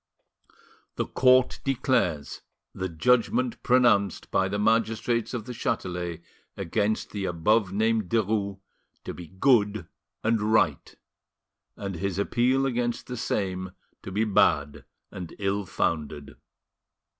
"The Court declares the judgment pronounced by the magistrates of the Chatelet against the above named Derues to be good and right, and his appeal against the same to be bad and ill founded.